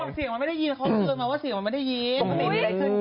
นี่เขาลุยมาว่าเสียงมันไม่ได้ยิน